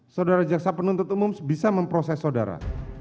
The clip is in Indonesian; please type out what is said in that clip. saudara jaksa penuntut umum bisa memproses saudara